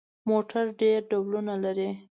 موټر ډېر ډولونه لري.